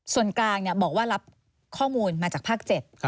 ส่วนกลางบอกว่ารับข้อมูลมาจากภาค๗